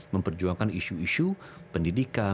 memperjuangkan isu isu pendidikan